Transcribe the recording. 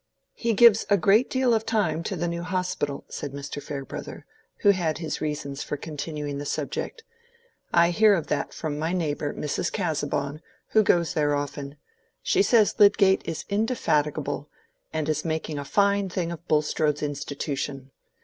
"He gives a great deal of time to the New Hospital," said Mr. Farebrother, who had his reasons for continuing the subject: "I hear of that from my neighbor, Mrs. Casaubon, who goes there often. She says Lydgate is indefatigable, and is making a fine thing of Bulstrode's institution.